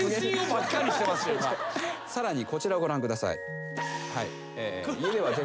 さらにこちらをご覧ください。